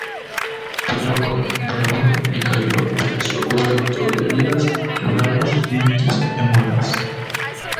Peleó con bravura y cayó preso cubierto de heridas y "quebrados dientes e muelas".